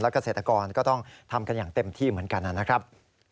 เกษตรกรก็ต้องทำกันอย่างเต็มที่เหมือนกันนะครับ